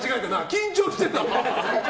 緊張してただろ。